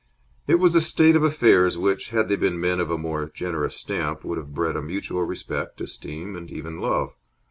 It was a state of affairs which, had they been men of a more generous stamp, would have bred a mutual respect, esteem, and even love.